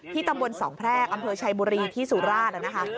ตำบลสองแพรกอำเภอชัยบุรีที่สุราชนะคะ